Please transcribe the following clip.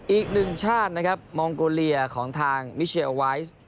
อีก๑ชาตินะครับมองโกเรียของทางมิชเชลวายซ์